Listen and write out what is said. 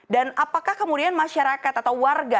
dan apakah kemudian masyarakat atau warga